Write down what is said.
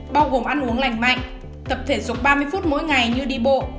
bao gồm ăn uống lành mạnh tập thể dục ba mươi phút mỗi ngày như đi bộ